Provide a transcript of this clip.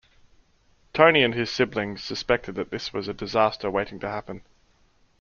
Tony and his siblings suspected that this was a disaster waiting to happen.